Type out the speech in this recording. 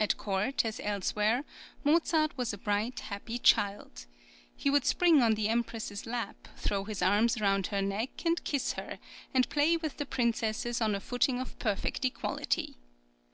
At court, as elsewhere, Mozart was a bright, happy child. He would spring on the Empress's lap, throw his arms round her neck and kiss her, and play with the princesses on a footing of perfect equality.